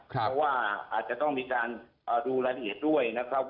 เพราะว่าอาจจะต้องมีการดูรายละเอียดด้วยนะครับ